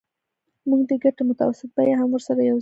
موږ د ګټې متوسطه بیه هم ورسره یوځای کوو